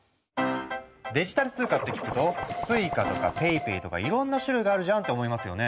デジタル通貨って聞くと「Ｓｕｉｃａ」とか「ＰａｙＰａｙ」とかいろんな種類があるじゃんって思いますよね？